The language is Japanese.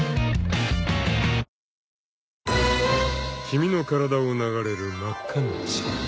［君の体を流れる真っ赤な血］